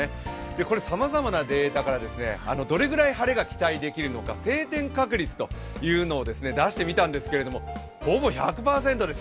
これ、さまざまなデータからどれぐらい晴れが期待できるのか晴天確率というのを出してみたんですけど、ほぼ１００％です。